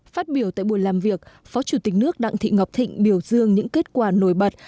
phát biểu tại buổi làm việc phó chủ tịch nước đặng thị ngọc thịnh biểu dương những kết quả nổi bật